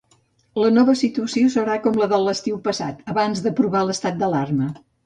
La nova situació serà com la de l'estiu passat, abans d'aprovar l'estat d'alarma.